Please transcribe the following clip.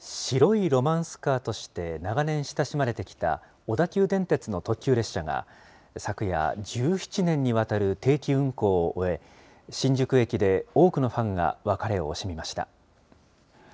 白いロマンスカーとして長年親しまれてきた、小田急電鉄の特急列車が昨夜、１７年にわたる定期運行を終え、新宿駅で多くのファンが別れを惜しみました。